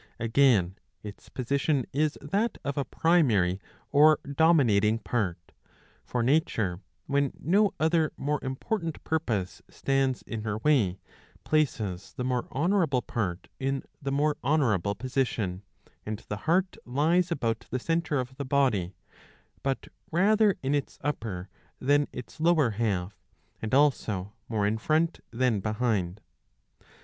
Again its position is that of a primary or dominating part. For nature, when no other more important purpose stands in her way, places the more honourable part in the more honourable position ;' and the heart lies about the centre of the body, but rather in its upper than its lower half, and also more in front than behind.